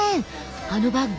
あのバッグ